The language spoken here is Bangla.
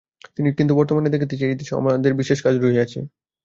কিন্তু বর্তমানে দেখিতেছি, এই দেশেও আমার বিশেষ কাজ রহিয়াছে।